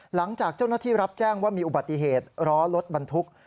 หลังจากเจ้าหน้าที่รับแจ้งว่ามีอุบัติเหตุล้อรถบรรทุก